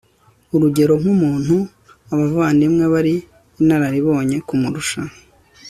urugero nk ukuntu abavandimwe bari inararibonye kumurusha